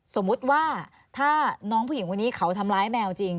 สมมุติว่าถ้าน้องผู้หญิงคนนี้เขาทำร้ายแมวจริง